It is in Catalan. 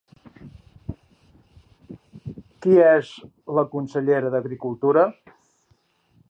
Qui és la consellera d'Agricultura?